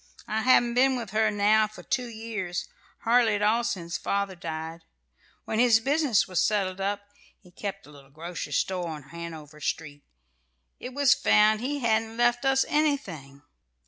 "I haven't been with her now for two years, hardly at all since father died. When his business was settled up he kept a little grocery store on Hanover Street it was found he hadn't left us anything.